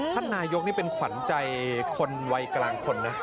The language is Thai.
ท่านนายกนี่เป็นขวัญใจคนวัยกลางคนนะ